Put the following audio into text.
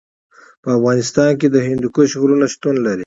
په افغانستان کې د هندوکش غرونه شتون لري.